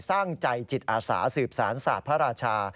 สร้างใจจิตอาสาสืบสารศาสตร์พระราชา